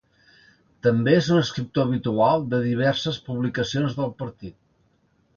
També és un escriptor habitual de diverses publicacions del partit.